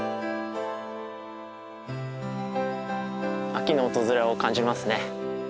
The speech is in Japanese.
秋の訪れを感じますね。